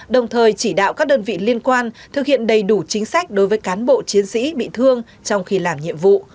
đồng thời chỉ đạo các đơn vị liên quan thực hiện đầy đủ chính sách đối với cán bộ chiến sĩ bị thương trong khi làm nhiệm vụ